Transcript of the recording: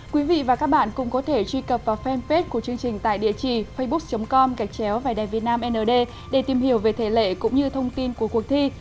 quý vị và các bạn cũng có thể truy cập vào fanpage của chương trình tại địa chỉ facebook com vnnd để tìm hiểu về thể lệ cũng như thông tin của cuộc thi